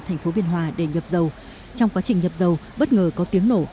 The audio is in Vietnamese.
tp biên hòa để nhập dầu trong quá trình nhập dầu bất ngờ có tiếng nổ